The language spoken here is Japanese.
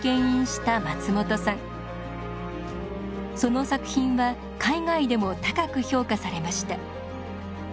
その作品は海外でも高く評価されました。